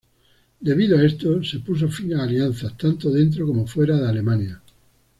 Debido a esto, se puso fin a alianzas tanto dentro como fuera de Alemania.